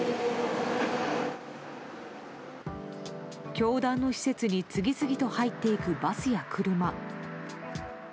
教団の施設に次々と入っていくバスや車。